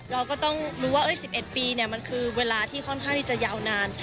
รู้ว่า๑๑ปีเนี่ยมันคือเวลาที่ค่อนข้างที่จะยาวนาน